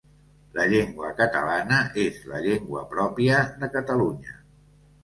La llengua catalana és la llengua pròpia de Catalunya.